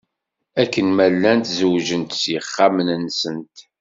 Akken ma llant zewjent s yixxamen-nsent.